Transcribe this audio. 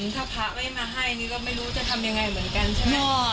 ถ้าพระไม่มาให้นี่ก็ไม่รู้จะทำยังไงเหมือนกันใช่ไหม